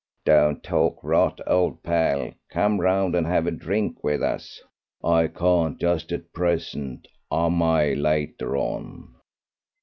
'" "Don't talk rot, old pal; come round and have a drink with us." "I can't just at present I may later on."